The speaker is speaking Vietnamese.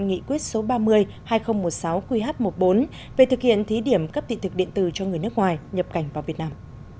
nghị quyết số ba mươi hai nghìn một mươi sáu qh một mươi bốn về thực hiện thí điểm cấp thị thực điện tử cho người nước ngoài nhập cảnh vào việt nam